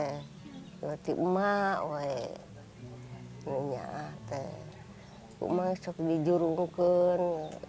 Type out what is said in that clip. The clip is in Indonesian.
hai nanti emak weh